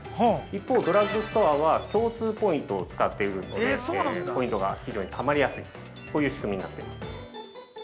一方、ドラッグストアは共通ポイントを使っているのでポイントが非常にたまりやすいこういう仕組みになっています。